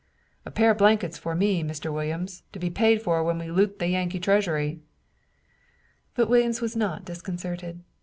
"A pair of blankets for me, Mr. Williams, to be paid for when we loot the Yankee treasury!" But Williams was not disconcerted.